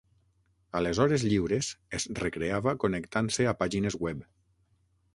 A les hores lliures es recreava connectant-se a pàgines web.